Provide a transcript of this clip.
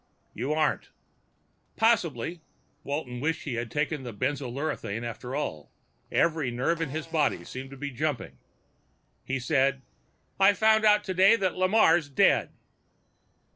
You aren't." "Possibly." Walton wished he had taken that benzolurethrin after all. Every nerve in his body seemed to be jumping. He said, "I found out today that Lamarre's dead."